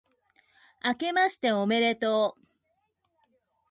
あけましておめでとう、